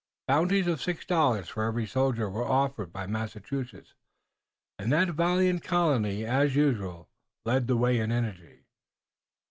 Bounties of six dollars for every soldier were offered by Massachusetts, and that valiant colony, as usual, led the way in energy.